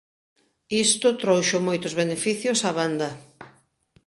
Isto trouxo moitos beneficios á banda.